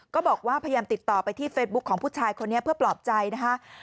ก็บอกว่าพยายามติดต่อไปที่เฟซบุ๊คของผู้ชายคนนี้เพื่อปลอบใจนะคะ